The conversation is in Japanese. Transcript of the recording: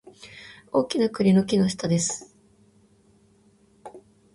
大きな栗の木の下です